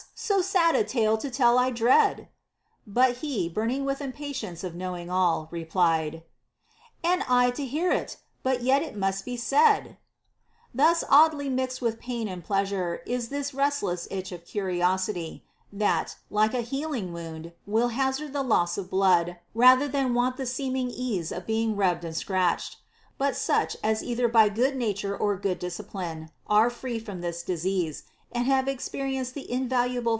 So sad a tale to tell I dread ; but he, burning with impatience of knowing all, replied, And I to hear 't : but yet it must be said.* * Soph. Oed. Tyr. 1169 and 1170. INTO THINGS IMPERTINENT. 443 Thus oddly mixed with pain and pleasure is this restless itch of curiosity, that, like a healing wound, will hazard the loss of blood rather than want the seeming ease of being rubbed and scratched. But such as either by good nature or good discipline are free from this disease, and have experienced the invaluable